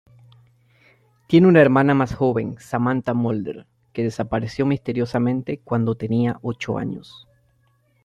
Tiene una hermana más joven, Samantha Mulder, que desapareció misteriosamente cuando tenía ocho años.